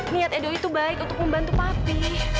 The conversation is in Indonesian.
niat edo itu baik untuk membantu pati